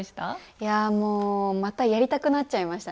いやもうまたやりたくなっちゃいました。